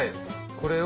これを。